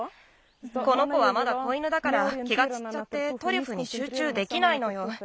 この子はまだ子犬だから気がちっちゃってトリュフにしゅうちゅうできないのよ。